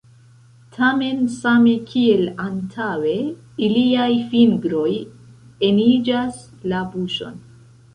Tamen, same kiel antaŭe, iliaj fingroj eniĝas la buŝon.